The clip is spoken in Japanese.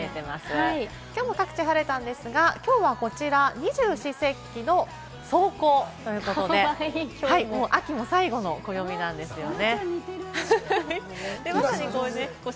きょうも各地、晴れましたが、きょうは二十四節気の霜降ということで、秋も最後の暦なんですよね。